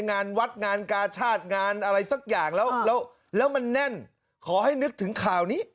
งานวัดงานกาชาติงานอะไรสักอย่างแล้วแล้วมันแน่นขอให้นึกถึงข่าวนี้